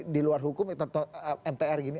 di luar hukum mpr gini